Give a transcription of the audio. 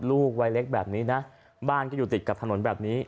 ลูกวัยเล็กแบบนี้นะบ้านก็อยู่ติดกับถนนแบบนี้